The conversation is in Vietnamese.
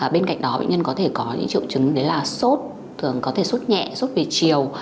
bên cạnh đó bệnh nhân có thể có những triệu chứng đấy là sốt thường có thể suốt nhẹ sốt về chiều